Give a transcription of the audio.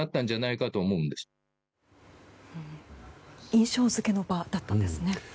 印象付けの場だったんですね。